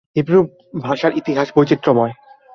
Hebrew ভাষার ইতিহাস বৈচিত্র্যময়।